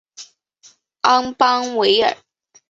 昂邦维尔。